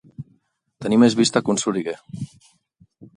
Tenir més vista que un soriguer.